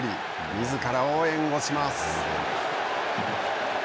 みずからを援護します。